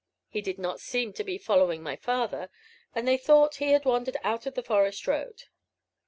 He did not seem to be following my father, and they thought he had wandered out of the forest road.